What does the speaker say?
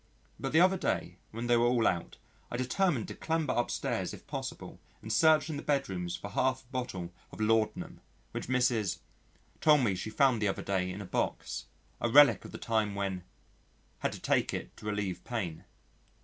But the other day when they were all out, I determined to clamber upstairs if possible, and search in the bedrooms for a half bottle of laudanum, which Mrs. told me she found the other day in a box a relic of the time when had to take it to relieve pain.